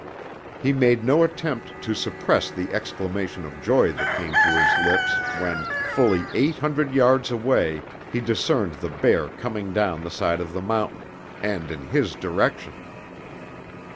He made no attempt to suppress the exclamation of joy that came to his lips when, fully eight hundred yards away, he discerned the bear coming down the side of the mountain, and in his direction.